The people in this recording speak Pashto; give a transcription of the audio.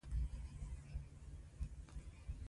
انرژي له لمره راځي.